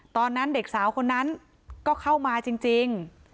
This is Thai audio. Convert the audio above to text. ตอนนั้นเด็กสาวคนนั้นก็เข้ามาจริง